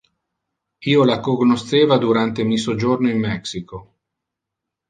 Io la cognosceva durante mi sojorno in Mexico.